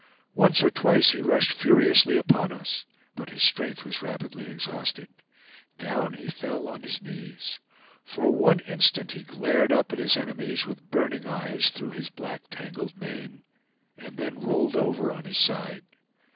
Once or twice he rushed furiously upon us, but his strength was rapidly exhausted. Down he fell on his knees. For one instant he glared up at his enemies with burning eyes through his black tangled mane, and then rolled over on his side.